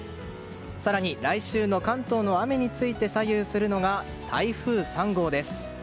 更に、来週の関東の雨について左右するのが台風３号です。